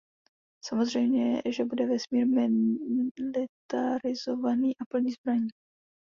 Samozřejmě, že bude vesmír militarizovaný a plný zbraní.